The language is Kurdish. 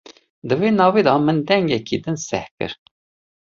Di vê navê de min dengekî din seh kir.